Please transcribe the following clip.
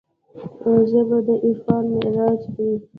ژبه د عرفان معراج دی